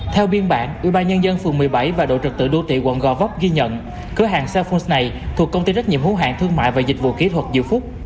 theo biên bản ủy ban nhân dân phường một mươi bảy và độ trật tự đô tị quận gò vấp ghi nhận cửa hàng cellphone này thuộc công ty trách nhiệm hút hàng thương mại và dịch vụ kỹ thuật diệu phúc